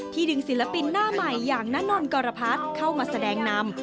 ดึงศิลปินหน้าใหม่อย่างนานนทกรพัฒน์เข้ามาแสดงนำ